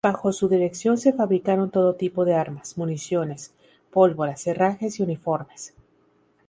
Bajo su dirección se fabricaron todo tipo de armas, municiones, pólvora, herrajes y uniformes.